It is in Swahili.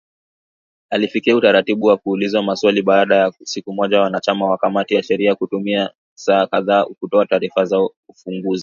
Alifikia utaratibu wa kuulizwa maswali baada ya siku moja wanachama wa kamati ya sheria kutumia saa kadhaa kutoa taarifa zao ufunguzi.